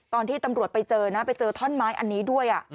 ตอนที่ตำรวจไปเจอนะไปเจอท่อนไม้อันนี้ด้วย